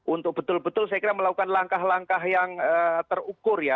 untuk betul betul saya kira melakukan langkah langkah yang terukur ya